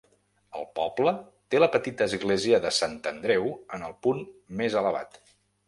El poble té la petita església de Sant Andreu en el punt més elevat.